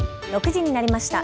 ６時になりました。